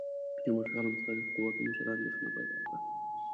تیمورشاه له مختلفو قوتونو سره اندېښنه پیدا کړه.